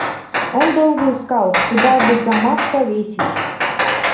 Он долго искал, куда бы гамак повесить.